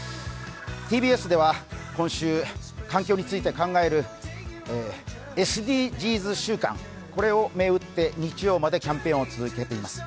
ＴＢＳでは今週、環境について考えるＳＤＧｓ週間、これを銘打って日曜までキャンペーンを続けています。